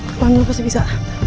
kembali pasti bisa